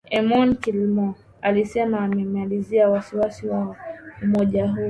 Eamon Gilmore alisema ameelezea wasi wasi wa umoja huo